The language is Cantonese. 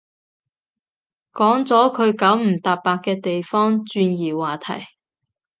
講咗佢九唔搭八嘅地方，轉移話題